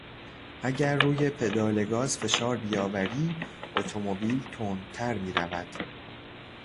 اگر روی پدال گاز فشار بیاوری اتومبیل تندتر میرود.